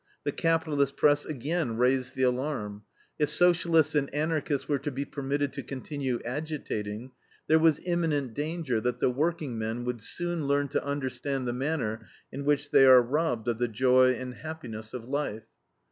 The capitalist press again raised the alarm. If Socialists and Anarchists were to be permitted to continue agitating, there was imminent danger that the workingmen would soon learn to understand the manner in which they are robbed of the joy and happiness of life.